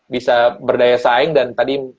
bisa berdaya saing dan tadi